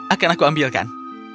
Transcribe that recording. akan aku ambilkan